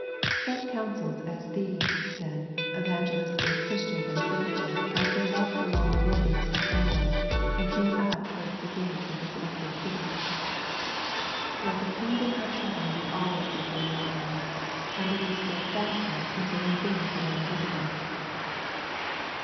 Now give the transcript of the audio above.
Such counsels as these, then, Evangelist gave Christian and Faithful as they left the lonely wilderness behind them and came out towards the gate of the seductive city 'Let the Kingdom of Heaven be always before your eyes, and believe steadfastly concerning things that are invisible.'